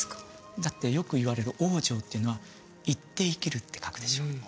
だってよくいわれる「往生」っていうのは「往って」「生きる」って書くでしょ？